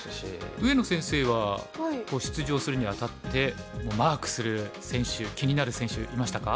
上野先生は出場するにあたってマークする選手気になる選手いましたか？